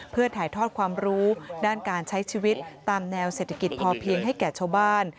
เพื่อถ่ายทอดความรู้ด้านการใช้ชีวิตตามแนวเศรษฐกิจพอเพียงให้แก่ชาวบ้าน